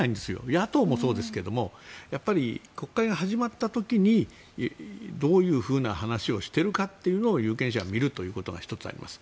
野党もそうですけどもやっぱり国会が始まった時にどういうふうな話をしているかというのを有権者は見るということが１つあります。